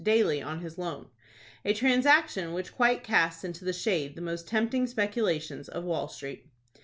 daily on his loan,—a transaction which quite casts into the shade the most tempting speculations of Wall Street.